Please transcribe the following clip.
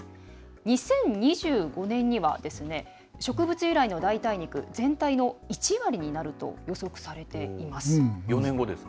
２０２５年には植物由来の代替肉全体の１割になると予測されています。